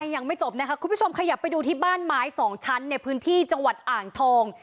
ยังไม่จบนะคะคุณผู้ชมขยับไปดูที่บ้านไม้สองชั้นในพื้นที่จังหวัดอ่างทอง